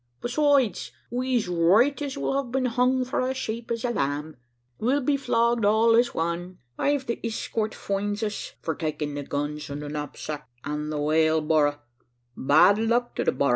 "Besoides, wez rooight as wil hav been hung for a shape as a lamb. We'll be flogg'd all as wan, iv the iskhort foinds us, fur taykin' the guns, an' the knapsacks, an' the whaleborra bad luck to the borra!"